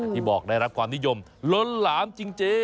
ที่บอกได้รับความนิยมล้นหลามจริง